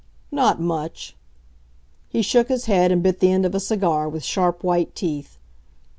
"Not much." He shook his head, and bit the end of a cigar with sharp, white teeth.